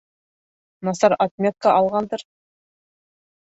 — Насар отметка алғандыр.